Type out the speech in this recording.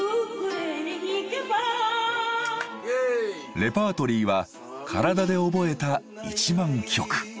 レパートリーは体で覚えた１万曲。